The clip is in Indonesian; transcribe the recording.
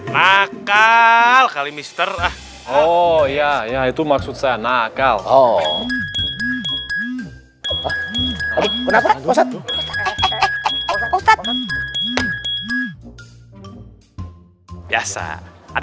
maka kali mister ah oh iya itu maksud sangat k supplied